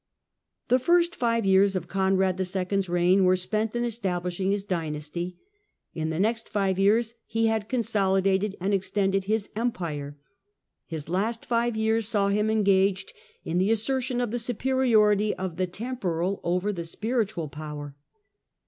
The first five years of Conrad II.'s reign were spent in establishing his dynasty : in the next five years he had consolidated and extended his Empire : his last five years saw liim engaged in the assertion of the superiority of the temporal over the spiritual power.